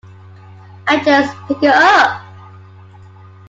I just picked it up.